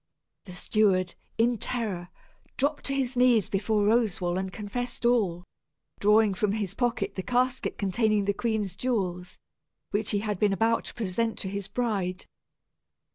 The steward, in terror, dropped upon his knees before Roswal and confessed all, drawing from his pocket the casket containing the queen's jewels, which he had been about to present to his bride.